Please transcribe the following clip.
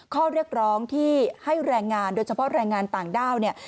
ข้อเรียกร้องที่ให้แรงงานโดยเฉพาะแรงงานต่างด้าวเนี่ย